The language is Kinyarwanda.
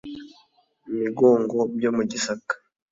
Migongo byo mu Gisaka